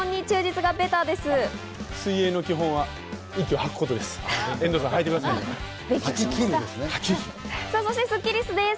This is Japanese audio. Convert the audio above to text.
水泳の基本は息を吐くことです。